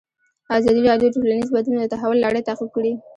ازادي راډیو د ټولنیز بدلون د تحول لړۍ تعقیب کړې.